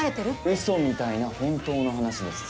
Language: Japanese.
うそみたいな本当の話です。